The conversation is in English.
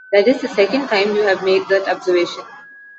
That is the second time you have made that observation.